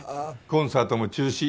コンサートも中止。